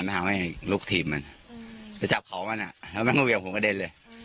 แม่ก็เห็นคล้ายแม่ก็บอกเห็น